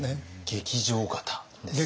劇場型ですかね？